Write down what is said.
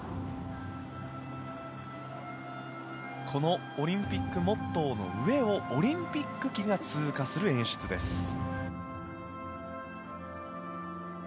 このオリンピックモットーの上をオリンピック旗が通過する演出です。